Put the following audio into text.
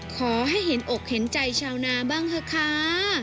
ขอให้เห็นอกเห็นใจชาวนาบ้างเถอะค่ะ